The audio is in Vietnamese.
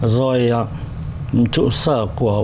rồi trụ sở của